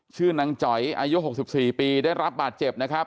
ชื่อนางจ๋อยอายุ๖๔ปีได้รับบาดเจ็บนะครับ